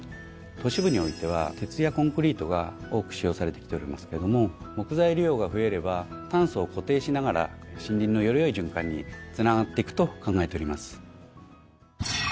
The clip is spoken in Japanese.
都市部においては鉄やコンクリートが多く使用されてきておりますけども木材利用が増えれば炭素を固定しながら森林のより良い循環につながっていくと考えております。